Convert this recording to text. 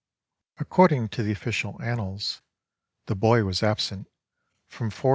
According to the official annals, the boy was absent from 477 a.